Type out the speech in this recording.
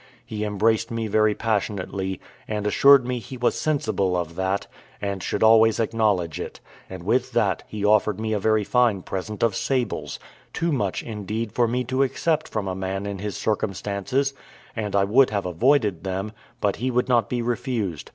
He embraced me very passionately, and assured me he was sensible of that, and should always acknowledge it; and with that he offered me a very fine present of sables too much, indeed, for me to accept from a man in his circumstances, and I would have avoided them, but he would not be refused.